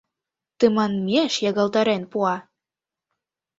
Тыманмеш ягылтарен пуа!